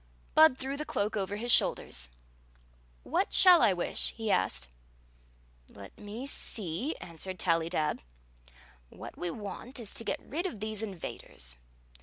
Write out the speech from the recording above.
Bud threw the cloak over his shoulders. " What shall I wish ?" he asked. "Let me see," answered Tallydab. "What we want is to get rid of these invaders.